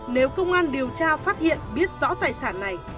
nếu công an điều tra phát hiện biết rõ tài sản này